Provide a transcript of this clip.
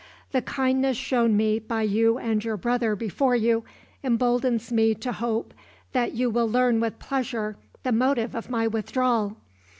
The kindness shown me by you and your brother before you, emboldens me to hope that you will learn with pleasure the motive of my withdrawal.